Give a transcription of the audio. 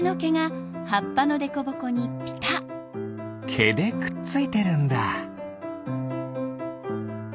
けでくっついてるんだ。